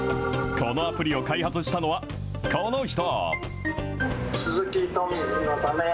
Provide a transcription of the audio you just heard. このアプリを開発したのは、この人。